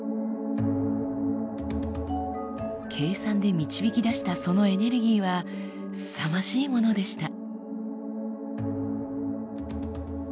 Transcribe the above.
計算で導き出したそのエネルギーはすさまじいものでした。